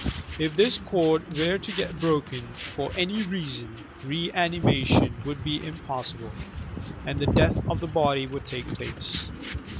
If this cord were to get broken, for any reason, re animation would be impossible, and the death of the body would take place.